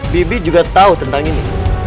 bibi juga tahu tentang ini